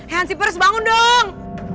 hansipers bangun dong